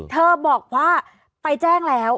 เธอบอกว่าไปแจ้งแล้ว